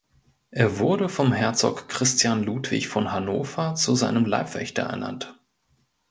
Er wurde vom Herzog Christian Ludwig von Hannover zu seinem Leibwächter ernannt.